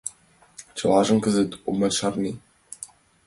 Чылажым кызыт омат шарне.